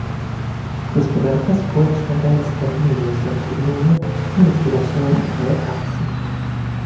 Gospodarka społeczna daje stabilność zatrudnienia i opiera się relokacji